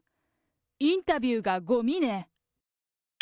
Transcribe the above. インタビューがごみね。